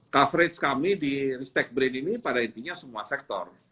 coverage kami di ristek brain ini pada intinya semua sektor